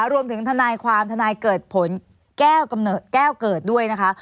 ทนายความทนายเกิดผลแก้วเกิดด้วยนะคะ